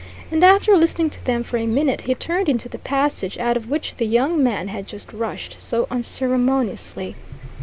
And after listening to them for a minute, he turned into the passage out of which the young man had just rushed so unceremoniously.